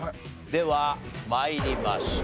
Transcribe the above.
では参りましょう。